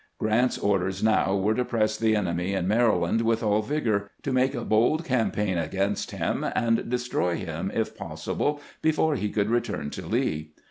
Grant's orders now were to press the enemy in 240 CAMPAIGNING WITH GRANT Maryland with, all vigor, to make a bold campaign against Mm, and destroy Mm if possible before he could return to Lee.